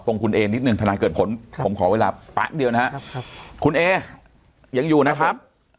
คุณเอนิดนึงทนายเกิดผลผมขอเวลาแป๊บเดียวนะครับคุณเอยังอยู่นะครับ